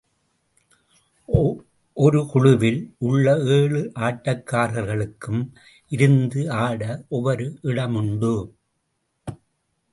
ஒரு குழுவில் உள்ள ஏழு ஆட்டக்காரர்களுக்கும் இருந்து ஆட ஒவ்வொரு இடம் உண்டு.